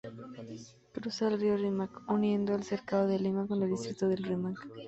Cruza el río Rímac uniendo el cercado de Lima con el distrito del Rímac.